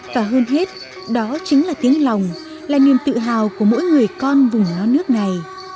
và hơn hết đó chính là tiếng lòng là niềm tự hào của mỗi người con vùng non nước này